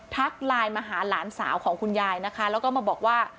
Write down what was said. ไลน์มาหาหลานสาวของคุณยายนะคะแล้วก็มาบอกว่า